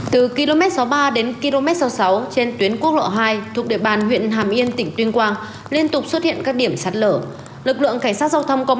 từ km sáu mươi ba đến km sáu mươi sáu trên tuyến quốc lộ hai